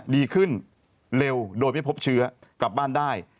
ดีขึ้นเร็วโดยไม่พบเชื้อกลับบ้านได้